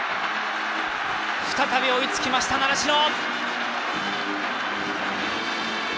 再び追いつきました習志野。